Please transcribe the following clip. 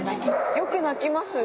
よく鳴きます。